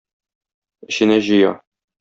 Эченә җыя.